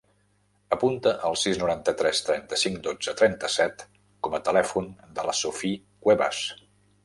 Apunta el sis, noranta-tres, trenta-cinc, dotze, trenta-set com a telèfon de la Sophie Cuevas.